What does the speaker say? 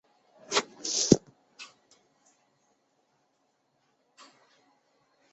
米兰足球俱乐部是一家位于义大利北部伦巴第大区米兰市的足球俱乐部。